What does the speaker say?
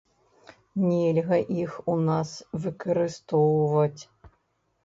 Нельга іх у нас выкарыстоўваць.